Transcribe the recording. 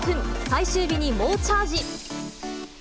最終日に猛チャージ。